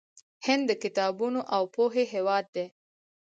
هند د کتابونو او پوهې هیواد دی.